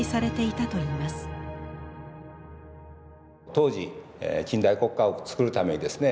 当時近代国家を作るためにですね